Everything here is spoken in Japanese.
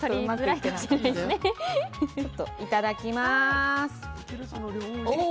いただきます。